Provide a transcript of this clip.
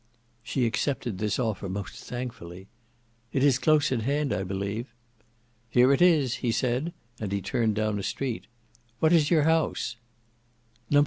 She accepted this offer most thankfully. "It is close at hand, I believe?" "Here it is," he said; and he turned down a street. "What is your house?" "No.